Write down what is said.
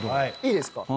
いいですか？